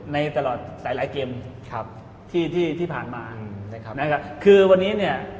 ในตลอดหลายเกมครับที่ที่ผ่านมานะครับนะครับคือวันนี้เนี่ย